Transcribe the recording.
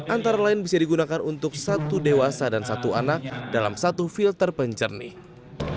antara lain bisa digunakan untuk satu dewasa dan satu anak dalam satu filter pencernih